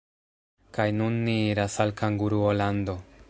Kaj nun ni iras al Kanguruo-lando.